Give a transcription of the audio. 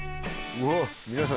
うわっ皆さん。